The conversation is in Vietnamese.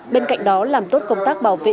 bên cạnh đó làm tốt công tác bảo vệ